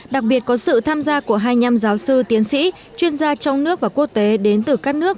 đặc biệt có sự tham gia của hai mươi năm giáo sư tiến sĩ chuyên gia trong nước và quốc tế đến từ các nước